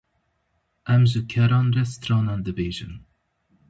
Em ji keran re stranan dibêjin.